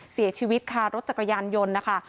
เสียชีวิตค่ะรถจักรยานยนต์นะคะ